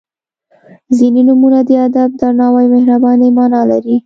• ځینې نومونه د ادب، درناوي او مهربانۍ معنا لري.